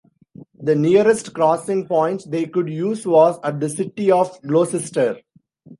The nearest crossing point they could use was at the city of Gloucester.